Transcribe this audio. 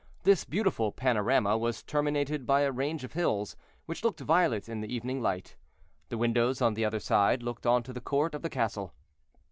This beautiful panorama was terminated by a range of hills, which looked violet in the evening light. The windows on the other side looked on to the court of the castle.